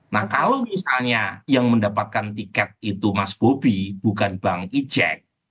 nah kalau misalnya yang mendapatkan tiket itu mas bobi bukan bang ijek